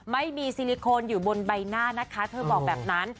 ซิลิโคนอยู่บนใบหน้านะคะเธอบอกแบบนั้น